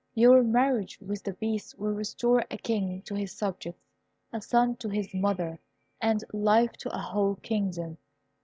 Your marriage with the Beast will restore a king to his subjects, a son to his mother, and life to a whole kingdom.